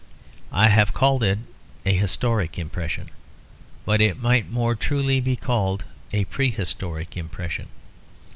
I have called it a historic impression; but it might more truly be called a prehistoric impression.